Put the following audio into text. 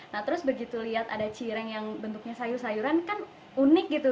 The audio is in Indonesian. nah terus begitu lihat ada cireng yang bentuknya sayur sayuran kan unik gitu